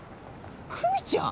久実ちゃん。